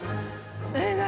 えっ何？